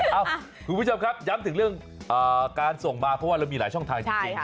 เอ้าคุณผู้ชมครับย้ำถึงเรื่องการส่งมาเพราะว่าเรามีหลายช่องทางจริง